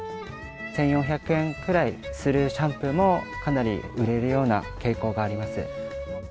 １４００円くらいするシャンプーもかなり売れるような傾向があります。